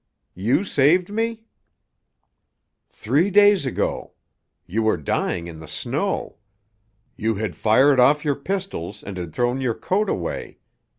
"You saved me?" "Three days ago. You were dying in the snow. You had fired off your pistols and had thrown your coat away.